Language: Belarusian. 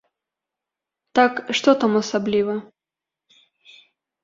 Так, што там асабліва?